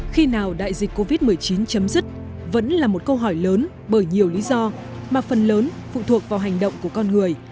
khi nào đại dịch covid một mươi chín chấm dứt vẫn là một câu hỏi lớn bởi nhiều lý do mà phần lớn phụ thuộc vào hành động của con người